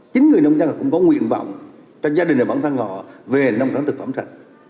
chính người nông dân cũng có nguyện vọng cho gia đình và bản thân họ về nông sản thực phẩm sạch